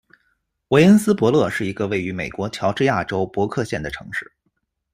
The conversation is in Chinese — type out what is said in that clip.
韦恩斯伯勒是一个位于美国乔治亚州伯克县的城市。